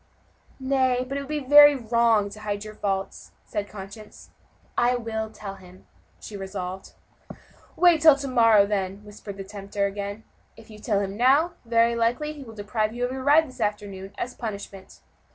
"Nay, but it would be wrong to hide your fault," said conscience. "I will tell him," she resolved. "Wait till to morrow, then," whispered the tempter again; "if you tell him now, very likely he will deprive you of your ride this afternoon, as a punishment."